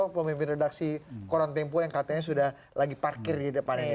pemimpin redaksi koran tempo yang katanya sudah lagi parkir di depan ini